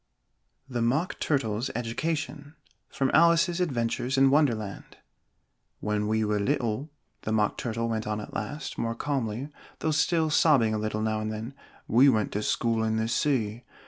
THE MOCK TURTLE'S EDUCATION From 'Alice's Adventures in Wonderland' "When we were little," the Mock Turtle went on at last, more calmly, though still sobbing a little now and then, "we went to school in the sea.